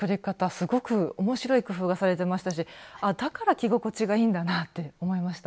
すごく面白い工夫がされてましたしだから着心地がいいんだなって思いました。